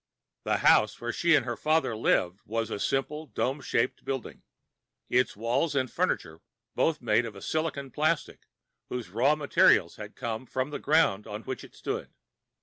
The house where she and her father lived was a simple dome shaped building, its walls and furniture both made of a silicon plastic whose raw materials had come from the ground on which it stood.